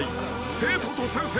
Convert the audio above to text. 生徒と先生。